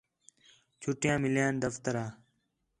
چھٹیاں ملیان دفتر آ